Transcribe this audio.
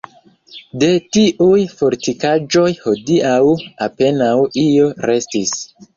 De tiuj fortikaĵoj hodiaŭ apenaŭ io restis.